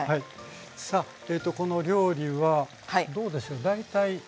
さあこの料理はどうでしょう大体。